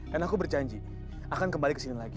dan aku berjanji akan kembali ke sini lagi